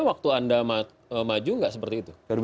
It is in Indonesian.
waktu anda maju nggak seperti itu